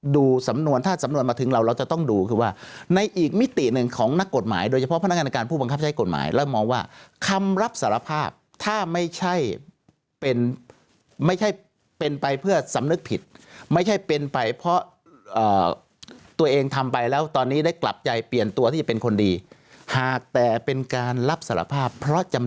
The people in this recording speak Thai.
ดูสำนวนถ้าสำนวนมาถึงเราเราจะต้องดูคือว่าในอีกมิติหนึ่งของนักกฎหมายโดยเฉพาะพนักงานในการผู้บังคับใช้กฎหมายแล้วมองว่าคำรับสารภาพถ้าไม่ใช่เป็นไม่ใช่เป็นไปเพื่อสำนึกผิดไม่ใช่เป็นไปเพราะตัวเองทำไปแล้วตอนนี้ได้กลับใจเปลี่ยนตัวที่จะเป็นคนดีหากแต่เป็นการรับสารภาพเพราะจะ